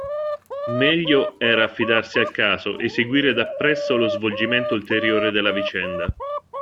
Meglio era affidarsi al caso e seguire dappresso lo svolgimento ulteriore della vicenda.